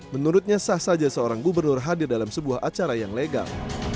menurutnya sah saja seorang gubernur hadir dalam sebuah acara yang legal